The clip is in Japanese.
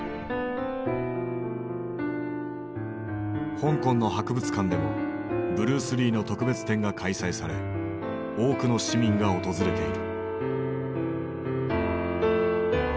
香港の博物館でもブルース・リーの特別展が開催され多くの市民が訪れている。